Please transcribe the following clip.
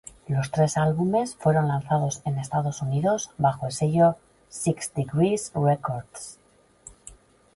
Los tres álbumes fueron lanzados en Estados Unidos bajo el sello Six Degrees Records.